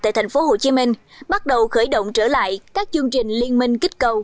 tại thành phố hồ chí minh bắt đầu khởi động trở lại các chương trình liên minh kích cầu